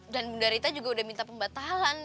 dan bunda rita juga udah minta pembatasan